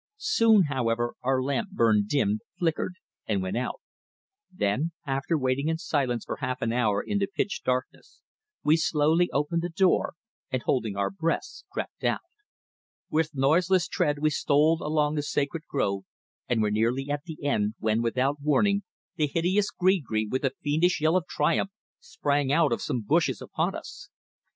Soon, however, our lamp burned dim, flickered, and went out; then, after waiting in silence for half an hour in the pitch darkness, we softly opened the door, and, holding our breaths, crept out. With noiseless tread we stole along the sacred grove and were nearly at the end when, without warning, the hideous gree gree, with a fiendish yell of triumph, sprang out of some bushes upon us.